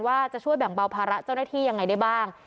ว่าจะช่วยแบ่งเบาภาระเจ้าหน้าที่ยังไงได้บ้าง